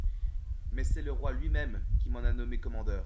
Mais c’est le roi lui-même qui m’en a nommé commandeur.